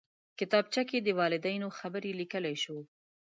کتابچه کې د والدینو خبرې لیکلی شو